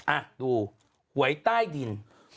อ่ะดูหวยใต้ดิน